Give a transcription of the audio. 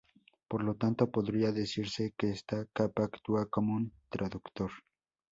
Por lo tanto, podría decirse que esta capa actúa como un traductor.